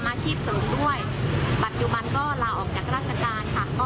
อาชีพเสริมด้วยปัจจุบันก็ลาออกจากราชการค่ะ